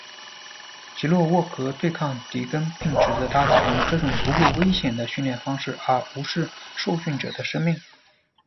基洛沃格对抗迪根并指责他采用这种不顾危险的训练方式而无视受训者的生命。